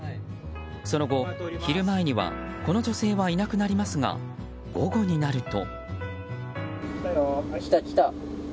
その後、昼前にはこの女性はいなくなりますが午後になると。